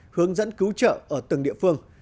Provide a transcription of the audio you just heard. hướng dẫn cứu trợ ở từng địa phương